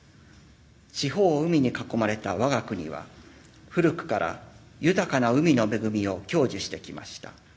四方を海に囲まれた我が国は古くから豊かな海の恵みを享受してきました。